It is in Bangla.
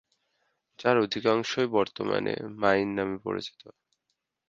যার অধিকাংশই বর্তমানে "মাইন" নামে পরিচিত।